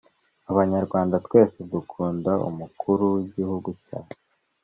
Abanyarwanda twese dukunda umukuru w’igihugu cyacu